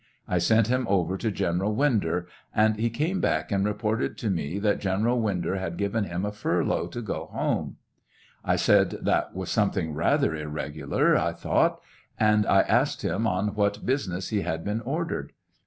I sent him over to General Winder, and he came back and reported to me that General Winder had given him a furlough to go home. I said that was something rather irregular, I thought, and I asked him on what TRIAL OF HENRY WIRZ. 717 business he had been ordered.